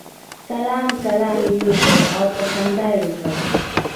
سلام کلام یې وکړ او په خندا یې وکتل.